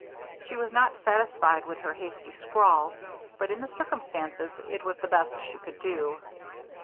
She was not satisfied with her hasty scrawl but, in the circumstances, it was the best she could do.